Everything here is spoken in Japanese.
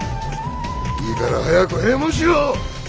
いいから早く閉門しろ！